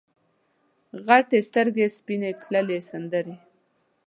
غټ سترګې سپینې تللې سندرې